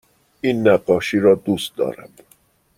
این نقاشی را دوست دارم.